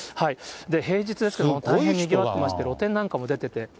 平日ですけど大変にぎわってまして、露店なんかも出てて。